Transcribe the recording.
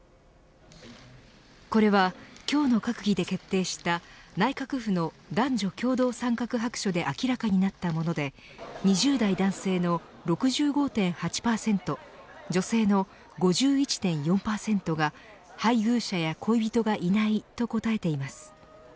これは今日の閣議で決定した内閣府の男女共同参画白書で明らかになったもので２０代男性の６５．８％女性の５１．４％が配偶者や恋人がいないと答えています。